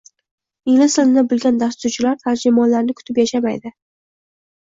Ingliz tilini bilgan dasturchilar tarjimonlarni kutib yashamaydi